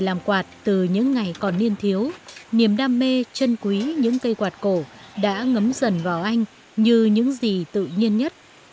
làm quạt từ những ngày còn niên thiếu niềm đam mê chân quý những cây quạt cổ đã ngấm dần vào anh như những gì tự nhiên nhất